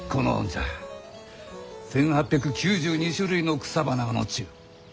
１，８９２種類の草花が載っちゅう。